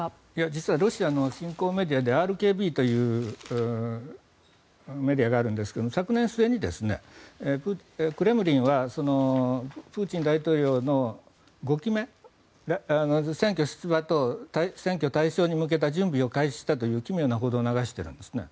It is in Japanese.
実はロシアの新興メディアでＲＫＢというメディアがあるんですが昨年末にクレムリンはプーチン大統領の５期目選挙出馬と選挙大勝に向けた準備を開始したという奇妙な報道を流しているんですね。